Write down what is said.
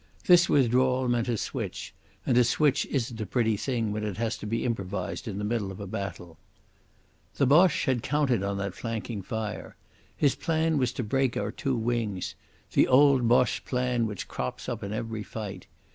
This withdrawal meant a switch, and a switch isn't a pretty thing when it has to be improvised in the middle of a battle. The Boche had counted on that flanking fire. His plan was to break our two wings—the old Boche plan which crops up in every fight.